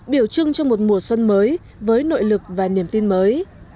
biểu trưng cho một mùa xuân mới với nội lực và niềm tin mới